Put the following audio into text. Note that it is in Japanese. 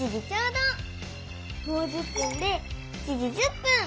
もう１０分で７時１０分。